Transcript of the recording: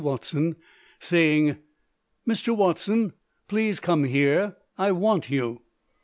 Watson, saying: "Mr. Watson, please come here. I want you."